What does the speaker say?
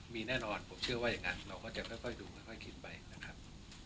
มีแน่นอนผมเชื่อว่าอย่างนั้นเราก็จะค่อยดูค่อยคิดไปนะครับ